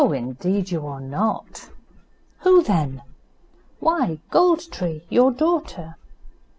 indeed you are not." "Who then?" "Why, Gold tree, your daughter."